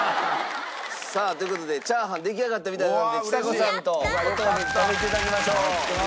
さあという事でチャーハン出来上がったみたいなのでちさ子さんと小峠に食べていただきましょう。